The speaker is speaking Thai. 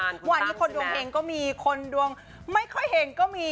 เมื่อวานนี้คนดวงเองก็มีคนดวงไม่ค่อยเห็นก็มี